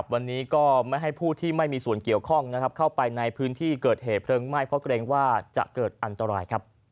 วันนี้ก็ไม่ให้ผู้ที่ไม่มีส่วนเกี่ยวข้องเข้าไปในพื้นที่เกิดเหตุเพลิงไหม้เพราะเกรงว่าจะเกิดอันตราย